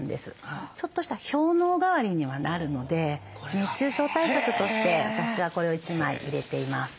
ちょっとした氷のう代わりにはなるので熱中症対策として私はこれを１枚入れています。